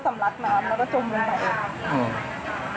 แฟนก็สำรักน้ำแล้วก็จมลงไปอีก